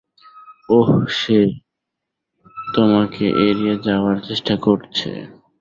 ওহ, সে তোমাকে এড়িয়ে যাওয়ার চেষ্টা করছে।